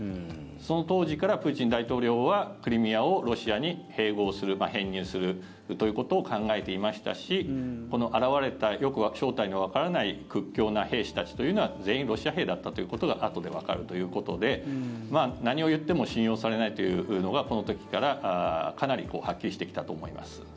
その当時からプーチン大統領はクリミアをロシアに併合する編入するということを考えていましたしこの現れたよく正体のわからない屈強な兵士たちというのは全員ロシア兵だったということがあとでわかるということで何を言っても信用されないというのがこの時からかなりはっきりしてきたと思います。